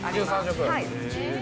・はい。